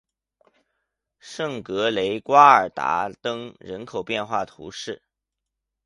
圣格雷瓜尔达登人口变化图示